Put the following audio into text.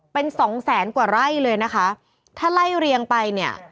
เป็นสองแสนกว่าไร่เลยนะคะถ้าไล่เรียงไปเนี่ย